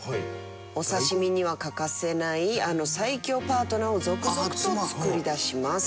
お刺身には欠かせないあの最強パートナーを続々と作り出します。